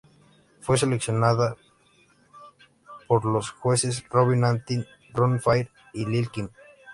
Fue seleccionada por los jueces Robin Antin, Ron Fair y Lil Kim.